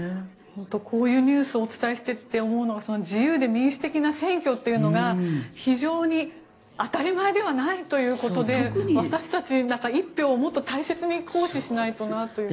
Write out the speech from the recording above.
こういうニュースをお伝えしていて思うのは自由で民主的な選挙というのが非常に当たり前ではないということで私たち、１票をもっと大切に行使しないとなと思いました。